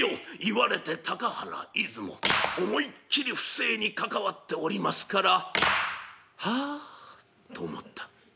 言われて高原出雲思いっきり不正に関わっておりますから「はあ」と思った。